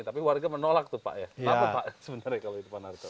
tapi warga menolak tuh pak ya apa pak sebenarnya kalau itu pak narko